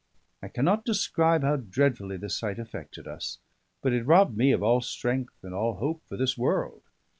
I cannot describe how dreadfully this sight affected us; but it robbed me of all strength and all hope for this world.